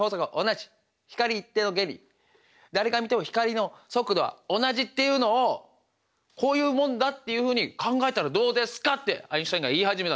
光一定の原理誰が見ても光の速度は同じっていうのをこういうもんだっていうふうに考えたらどうですかってアインシュタインが言い始めたんですよ。